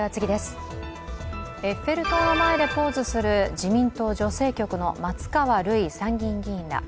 エッフェル塔の前でポーズする自民党女性局の松川るい参議院議員ら。